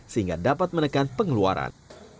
sehingga dapat menekan pengeluaran